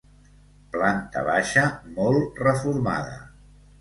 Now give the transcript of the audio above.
Planta baixa molt reformada.